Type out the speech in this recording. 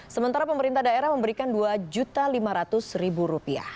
sementara pemerintah daerah memberikan dua lima ratus rupiah